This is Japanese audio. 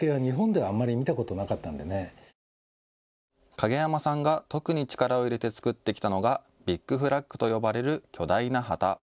影山さんが特に力を入れて作ってきたのがビッグフラッグと呼ばれる巨大な旗。